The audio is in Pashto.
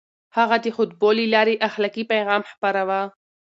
هغه د خطبو له لارې اخلاقي پيغام خپراوه.